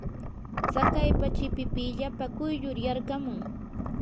tsakaypa chipipillapa quyllur yarqamun.